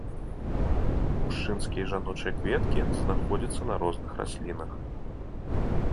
Мужчынскія і жаночыя кветкі знаходзяцца на розных раслінах.